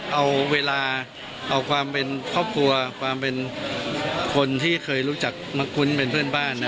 เอาเวลาเอาความเป็นครอบครัวความเป็นคนที่เคยรู้จักมาคุ้นเป็นเพื่อนบ้านนะ